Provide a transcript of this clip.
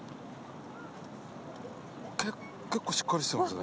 結構しっかりしてますね。